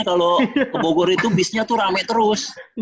kalau ke bogor itu bisnya tuh rame terus